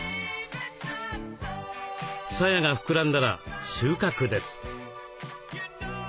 さやが膨らんだら収穫です。